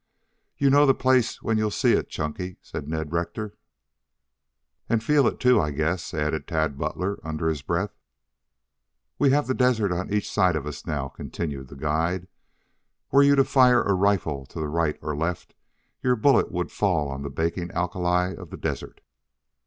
"You'll know the place when you see it, Chunky," said Ned Rector. "And feel it, too, I guess," added Tad Butler under his breath. "We have the desert on each side of us now," continued the guide. "Were you to fire a rifle to the right or left, your bullet would fall on the baking alkali of the desert."